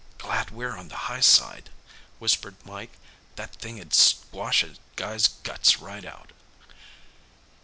"Glad we're on the high side," whispered Mike. "That thing 'ud squash a guy's guts right out!"